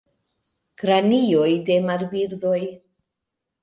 Kranioj de marbirdoj.